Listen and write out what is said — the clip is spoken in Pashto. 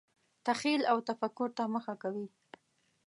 تخیل او تفکر ته مخه کوي.